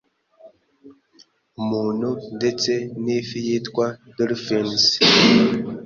Umuntu ndetse n’ifi yitwa Dolphins